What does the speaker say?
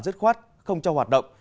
dứt khoát không cho hoạt động